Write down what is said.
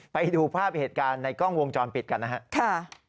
ไปดูภาพเหตุการณ์ในกล้องวงจรปิดกันนะครับ